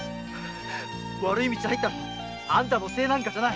悪い道に入ったのはあんたのせいじゃない。